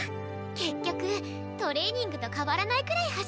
結局トレーニングと変わらないくらい走りましたね。